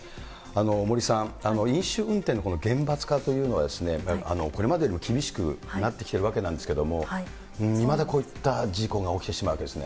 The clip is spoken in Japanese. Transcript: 森さん、飲酒運転の厳罰化というのは、これまでよりも厳しくなってきてるわけなんですけれども、いまだこういった事故が起きてしまうんですね。